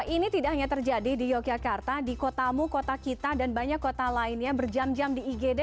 ini tidak hanya terjadi di yogyakarta di kotamu kota kita dan banyak kota lainnya berjam jam di igd